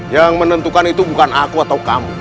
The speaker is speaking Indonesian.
yang menentukan itu bukan aku atau kamu